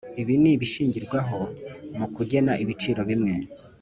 ibi ni ibishingirwaho mu kugena ibiciro bimwe